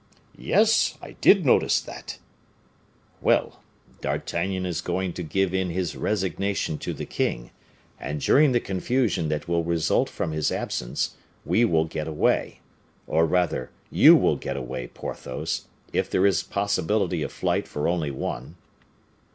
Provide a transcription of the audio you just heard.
"Yes, I did notice that." "Well! D'Artagnan is going to give in his resignation to the king, and during the confusion that will result from his absence, we will get away, or rather you will get away, Porthos, if there is possibility of flight for only one."